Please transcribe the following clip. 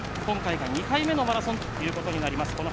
今回が２回目のマラソンということになります。